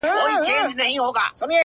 ستا ويادو ته ورځم _